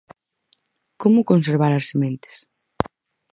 Como conservar as sementes?